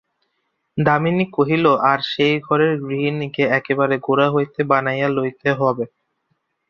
দামিনী কহিল, আর, সেই ঘরের গৃহিণীকে একেবারে গোড়া হইতে বানাইয়া লইতে হইবে।